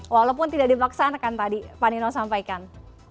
walaupun tidak dipaksanakan tadi pak nino sampaikan